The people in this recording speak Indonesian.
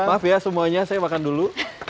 maaf ya semuanya saya makan dulu